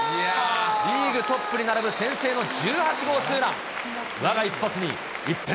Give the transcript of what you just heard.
リーグトップに並ぶ先制の１８号ツーラン。